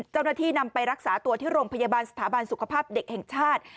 เจ้าหน้าที่นำไปรักษาตัวที่โรงพยาบาลสถาบันสุขภาพเด็กแห่งชาติ